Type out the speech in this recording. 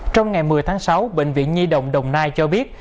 trong ngày một mươi tháng sáu bệnh viện nhi đồng đồng nai cho biết